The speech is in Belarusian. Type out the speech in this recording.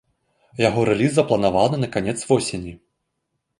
Яго рэліз запланаваны на канец восені.